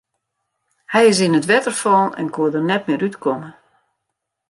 Hy is yn it wetter fallen en koe der net mear út komme.